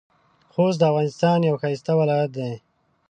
خوست د افغانستان یو ښایسته ولایت دی.